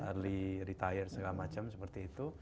early retire segala macam seperti itu